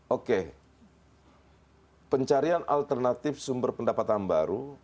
oke pencarian alternatif sumber pendapatan baru